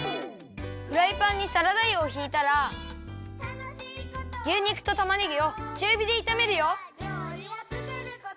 フライパンにサラダ油をひいたら牛肉とたまねぎをちゅうびでいためるよ。